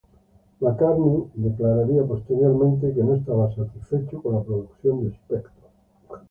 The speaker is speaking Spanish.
McCartney declararía posteriormente que no estaba satisfecho con la producción de Spector.